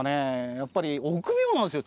やっぱり臆病なんですよ